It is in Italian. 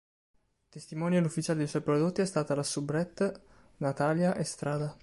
Testimonial ufficiale dei suoi prodotti è stata la soubrette Natalia Estrada.